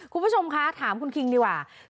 คุณผู้ชมคะถามคุณคิงดีกว่า